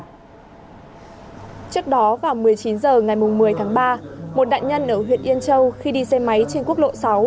trước đó vào một mươi chín h ngày một mươi tháng ba một nạn nhân ở huyện yên châu khi đi xe máy trên quốc lộ sáu